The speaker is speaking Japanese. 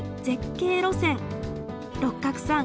六角さん